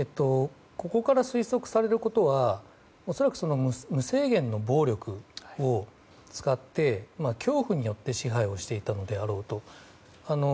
ここから推測されることは恐らく無制限の暴力を使って恐怖によって支配していたのであろうと。